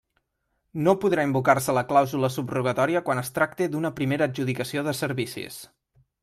No podrà invocar-se la clàusula subrogatòria quan es tracte d'una primera adjudicació de servicis.